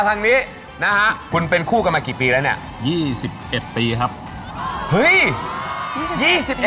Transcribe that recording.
แต่ถ้าเป็นเมียจะได้รู้ว่าจีบไม่ได้